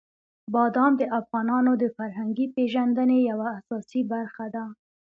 بادام د افغانانو د فرهنګي پیژندنې یوه اساسي برخه ده.